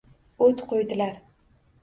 O’t qo’ydilar.